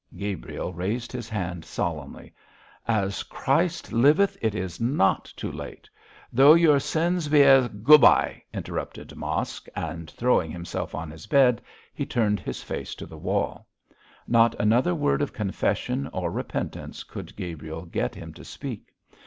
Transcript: Gabriel raised his hand solemnly. 'As Christ liveth, it is not too late. Though your sins be as ' 'Goo'bye,' interrupted Mosk, and throwing himself on his bed, he turned his face to the wall. Not another word of confession or repentance could Gabriel get him to speak.